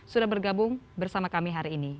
sudah bergabung bersama kami hari ini